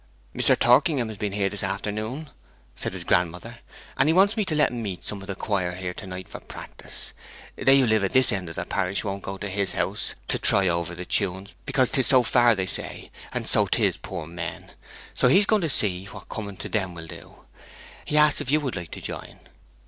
'Mr. Torkingham has been here this afternoon,' said his grandmother; 'and he wants me to let him meet some of the choir here to night for practice. They who live at this end of the parish won't go to his house to try over the tunes, because 'tis so far, they say, and so 'tis, poor men. So he's going to see what coming to them will do. He asks if you would like to join.'